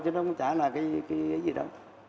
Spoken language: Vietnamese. chứ nó không trả lại cái gì đó